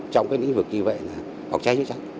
trong cái lĩnh vực như vậy là phòng cháy chữa cháy